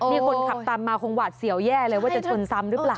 นี่คนขับตามมาคงหวาดเสียวแย่เลยว่าจะชนซ้ำหรือเปล่า